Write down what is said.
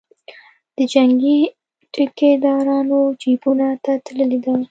د جنګي ټیکدارانو جیبونو ته تللې ده.